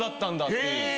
っていう。